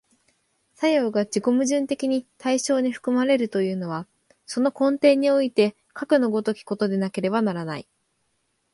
作用が自己矛盾的に対象に含まれるというのは、その根底においてかくの如きことでなければならない。